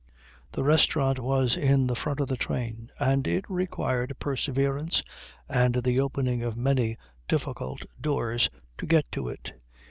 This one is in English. The restaurant was in the front of the train, and it required perseverance and the opening of many difficult doors to get to it.